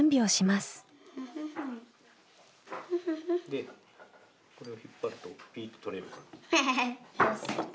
でこれを引っ張るとピッと取れるから。